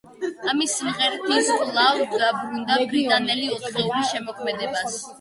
ამ სიმღერით ის კვლავ დაუბრუნდა ბრიტანელი ოთხეულის შემოქმედებას.